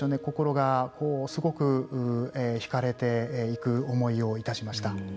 心がすごく引かれていく思いをいたしました。